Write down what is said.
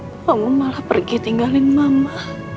bapakmu malah pergi tinggalin mama